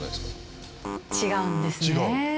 違うんですね。